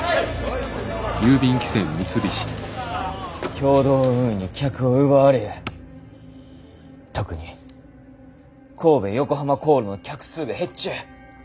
共同運輸に客を奪われ特に神戸横浜航路の客数が減っちゅう。